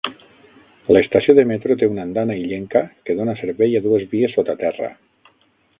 L'estació de metro té una andana illenca que dóna servei a dues vies sota terra.